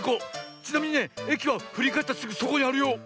ちなみにねえきはふりかえったすぐそこにあるよ。